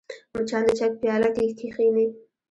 مچان د چای په پیاله کښېني